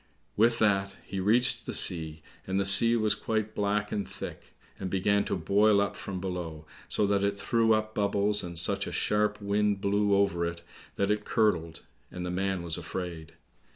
With that he reached the sea, and the sea was quite black and thick, and began to boil up from below, so that it threw up bubbles, and such a sharp wind blew over it that it curdled, and the man was afraid.